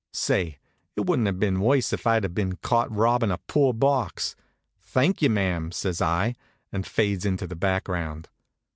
Say, it wouldn't have been worse if I'd been caught robbin' a poor box. "Thank you, ma'am," says I, and fades into the background.